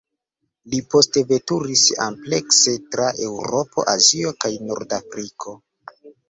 Li poste veturis amplekse, tra Eŭropo, Azio kaj Nordafriko.